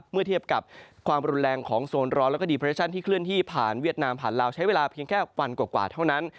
เมื่อเทียบกับความรุนแรงของโซนร้อนแล้วก็ดีเรชั่นที่เคลื่อนที่ผ่านเวียดนามผ่านลาวใช้เวลาเพียงแค่วันกว่าเท่านั้น